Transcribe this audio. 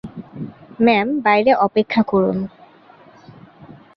Ma'am, বাইরে অপেক্ষা করুন।